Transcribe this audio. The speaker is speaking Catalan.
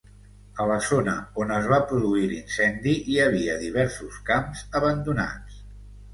A la zona on es va produir l'incendi hi havia diversos camps abandonats.